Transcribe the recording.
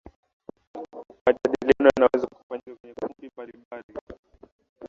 majadiliano yanaweza kufanyika kwenye kumbi mbalimbali